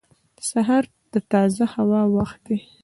• سهار د تازه هوا وخت دی.